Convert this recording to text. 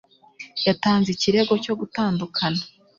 Yatanze ikirego cyo gutandukana.